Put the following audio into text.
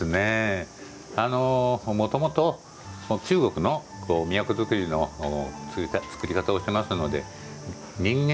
もともと、中国の都づくりのつくり方をしていますので人間